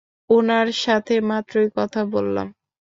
উনার সাথে মাত্রই কথা বললাম?